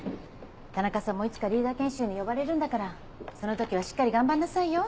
田中さんもいつかリーダー研修に呼ばれるんだからその時はしっかり頑張んなさいよ。